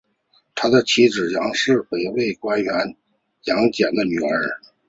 他的妻子杨氏是北魏官员杨俭的女儿。